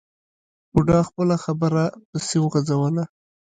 بوډا خپله خبره پسې وغځوله.